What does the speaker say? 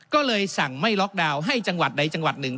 ก็เลยสั่งไม่ล็อกดาวน์ให้จังหวัดใดจังหวัดหนึ่ง